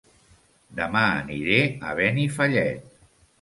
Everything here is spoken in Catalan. Dema aniré a Benifallet